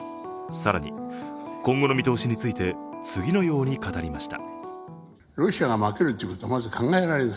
更に、今後の見通しについて次のように語りました。